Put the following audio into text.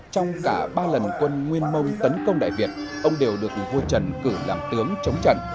trong cả ba lần quân nguyên mông tấn công đại việt ông đều được vua trần cử làm tướng chống trận